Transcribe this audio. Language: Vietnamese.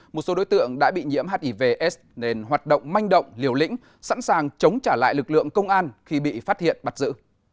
một số đối tượng đã bị nhiễm hiv s nên hoạt động manh động liều lĩnh sẵn sàng chống trả lại lực lượng công an khi bị phát hiện bắt giữ